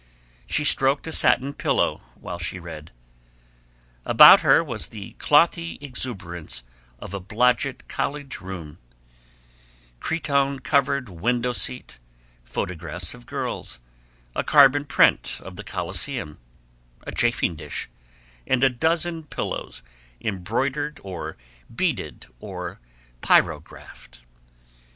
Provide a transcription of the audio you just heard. She stroked a satin pillow while she read. About her was the clothy exuberance of a Blodgett College room: cretonne covered window seat, photographs of girls, a carbon print of the Coliseum, a chafing dish, and a dozen pillows embroidered or beaded or pyrographed.